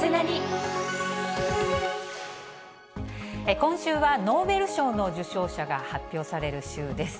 今週はノーベル賞の受賞者が発表される週です。